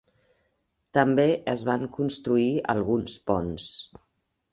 També es van construir alguns ponts.